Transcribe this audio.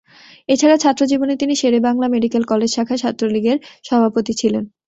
এছাড়া ছাত্রজীবনে তিনি Sher-e-Bangla medical college শাখা ছাত্রলীগের সভাপতি ছিলেন।